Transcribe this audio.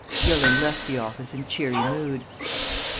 Gilling left the office in cheery mood.